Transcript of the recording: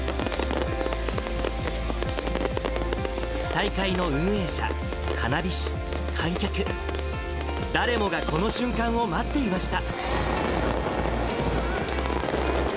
大会の運営者、花火師、観客、誰もがこの瞬間を待っていました。